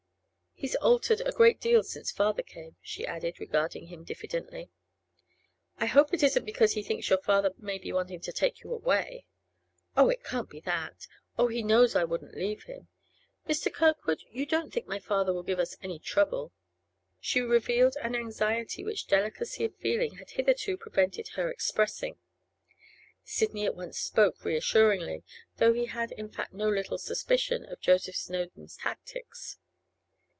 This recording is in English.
He's altered a great deal since father came,' she added, regarding him diffidently. 'I hope it isn't because he thinks your father may be wanting to take you away?' 'Oh, it can't be that! Oh, he knows I wouldn't leave him! Mr. Kirkwood, you don't think my father will give us any trouble?' She revealed an anxiety which delicacy of feeling had hitherto prevented her expressing. Sidney at once spoke reassuringly, though he had in fact no little suspicion of Joseph Snowdon's tactics.